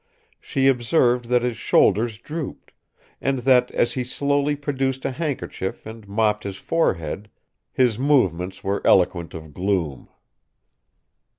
She observed that his shoulders drooped, and that, as he slowly produced a handkerchief and mopped his forehead, his movements were eloquent of gloom.